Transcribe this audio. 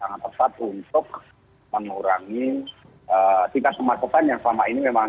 sangat tepat untuk mengurangi tingkat kemacetan yang selama ini memang